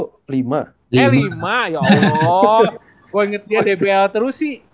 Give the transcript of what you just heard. ya lima ya allah kok inget dia dbl terus sih